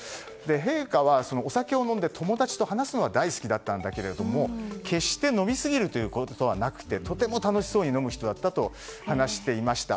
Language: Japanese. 陛下はお酒を飲んで友達と話すのは大好きだったんだけれども決して飲みすぎることはなくてとても楽しそうに飲む人だったと話していました。